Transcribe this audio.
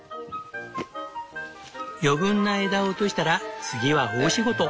余分な枝を落としたら次は大仕事。